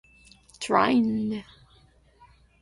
Trine!